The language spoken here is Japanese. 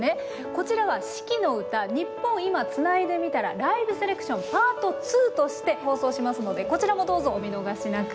こちらは「四季のうたニッポン『今』つないでみたらライブセレクション」Ｐａｒｔ２として放送しますのでこちらもどうぞお見逃しなく。